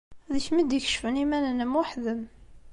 D kemm i d-ikecfen iman-im weḥd-m.